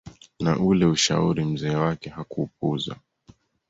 Na ule ushauri mzee wake hakuupuuza